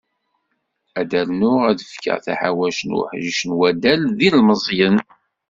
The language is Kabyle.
Ad d-rnuɣ ad d-fkeɣ taḥawact n uḥric n waddal d yilmeẓyen.